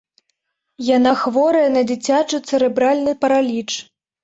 Яна хворая на дзіцячы цэрэбральны параліч.